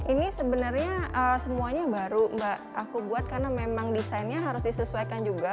ini sebenarnya semuanya baru mbak aku buat karena memang desainnya harus disesuaikan juga